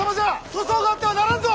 粗相があってはならんぞ！